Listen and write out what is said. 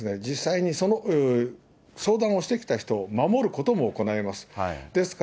警察というところは、実際に相談をしてきた人を守ることも行います。